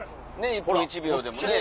１分１秒でもね。